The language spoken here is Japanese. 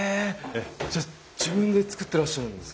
じゃあ自分で作ってらっしゃるんですか？